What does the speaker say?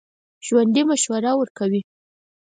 ژوندي مشوره ورکوي